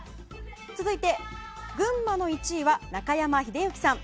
続いて群馬の１位は中山秀征さん。